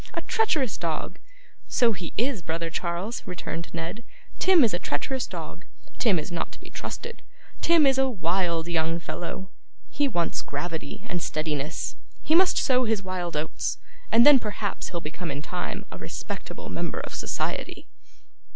A treacherous dog!' 'So he is, brother Charles,' returned Ned; 'Tim is a treacherous dog. Tim is not to be trusted. Tim is a wild young fellow. He wants gravity and steadiness; he must sow his wild oats, and then perhaps he'll become in time a respectable member of society.